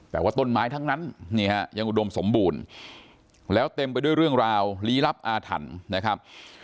แต่ว่าต้นไม้ทั้งนั้นนี่ฮะยังอุดมสมบูรณ์แล้วเต็มไปด้วยเรื่องราวลี้ลับอาถรรพ์นะครับ